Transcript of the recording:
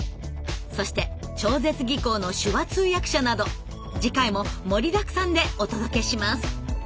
そして超絶技巧の手話通訳者など次回も盛りだくさんでお届けします。